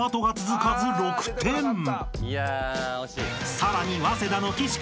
［さらに早稲田の岸君